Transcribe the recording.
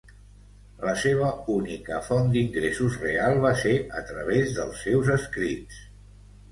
La seva única font d'ingressos real va ser a través dels seus escrits.